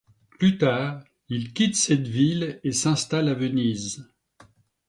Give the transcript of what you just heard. Plus tard il quitte cette ville et s'installe à Venise.